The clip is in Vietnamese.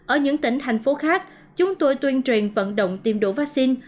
ở những tỉnh thành phố khác chúng tôi tuyên truyền vận động tiêm đủ vắc xin